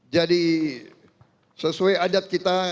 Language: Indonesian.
jadi sesuai adat kita